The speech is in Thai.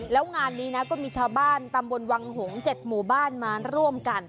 แล้วงานนี้นะก็มีชาวบ้านตำบลวังหงษ์๗หมู่บ้านมาร่วมกัน